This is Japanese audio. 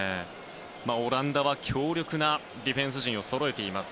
オランダは強力なディフェンス陣をそろえています。